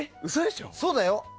そうだよ。